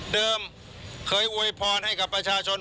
เคยอวยพรให้กับประชาชน